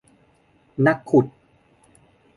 นักขุด